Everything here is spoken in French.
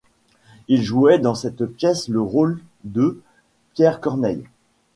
Il jouait dans cette pièce le rôle de... Pierre Corneille.